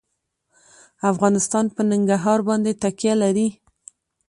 افغانستان په ننګرهار باندې تکیه لري.